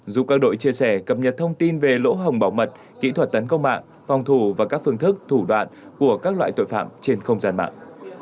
giúp các đội chia sẻ cập nhật thông tin về lỗ hồng bảo mật kỹ thuật tấn công mạng phòng thủ và các phương thức thủ đoạn của các loại tội phạm trên không gian mạng